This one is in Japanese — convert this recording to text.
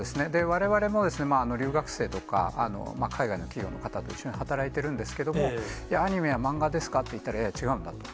われわれもですね、留学生とか、海外の企業の方と一緒に働いているんですけど、アニメや漫画ですかって言ったら、いや、違うんだと。